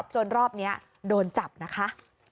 จนรอบนี้โดนจับนะคะ